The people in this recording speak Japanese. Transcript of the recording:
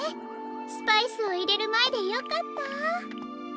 スパイスをいれるまえでよかった。